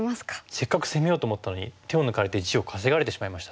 せっかく攻めようと思ったのに手を抜かれて地を稼がれてしまいましたね。